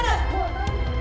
udah gitu aja girls